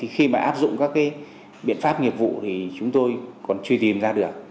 khi mà áp dụng các biện pháp nghiệp vụ thì chúng tôi còn truy tìm ra được